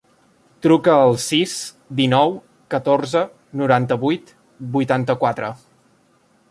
Truca al sis, dinou, catorze, noranta-vuit, vuitanta-quatre.